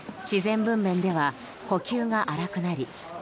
自然分娩では呼吸が荒くなり